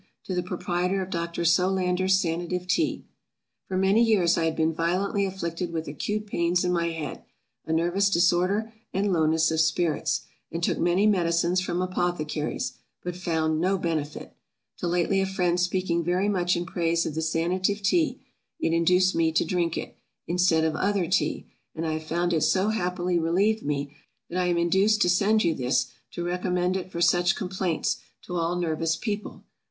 To the Proprietor of Dr. SOLANDER'S SANATIVE TEA. FOR many years I had been violently afflicted with acute pains in my head, a nervous disorder, and lowness of spirits, and took many medicines from apothecaries, but found no benefit; till lately a friend speaking very much in praise of the Sanative Tea; it induced me to drink it, instead of other tea; and I have found it so happily relieved me, that I am induced to send you this, to recommend it for such complaints, to all nervous people.